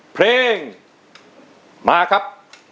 เพลงมาครับ